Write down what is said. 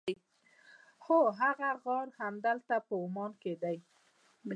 هو هغه غار همدلته عمان کې دی.